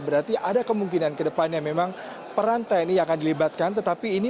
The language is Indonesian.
berarti ada kemungkinan ke depannya memang peran tni akan dilibatkan